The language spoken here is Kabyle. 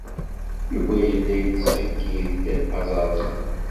Yuba yella yettṣeyyid-d azeṛzuṛ.